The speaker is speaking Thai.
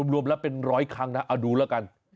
รวมแล้วเป็นร้อยครั้งนะเอาดูแล้วกัน